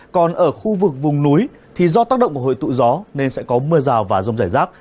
còn ở khu vực vùng núi thì do tác động của hội tụ gió nên sẽ có mưa rào và rông rải rác